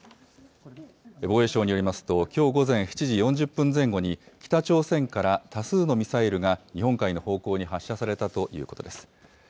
防衛省によりますと、きょう午前７時４０分前後に、北朝鮮から多数のミサイルが日本海の方向に発射されたということです。